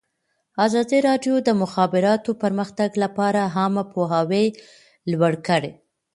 ازادي راډیو د د مخابراتو پرمختګ لپاره عامه پوهاوي لوړ کړی.